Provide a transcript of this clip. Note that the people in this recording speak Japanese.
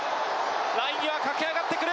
ライン際駆け上がってくる。